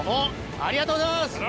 ありがとうございます！